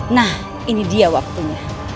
nah ini dia waktunya